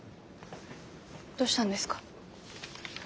どうしたんですか？